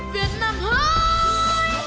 việt nam ơi